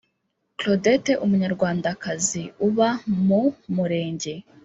claudette umunyarwandakazi uba mu murenge